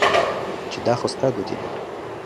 چې دا خو ستا ګوتې دي